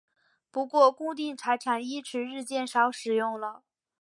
不过固定财产一词日渐少使用了。